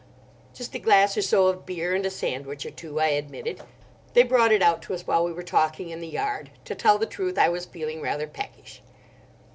"Just a glass or so of beer and a sandwich or two," I admitted. "They brought it out to us while we were talking in the yard. To tell the truth, I was feeling rather peckish."